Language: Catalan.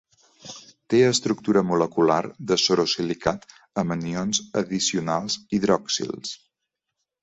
Té estructura molecular de sorosilicat amb anions addicionals hidroxils.